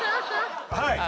はい！